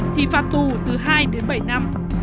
thì phạt tù từ hai đến bảy năm